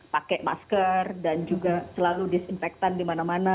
pakai masker dan juga selalu disinfektan di mana mana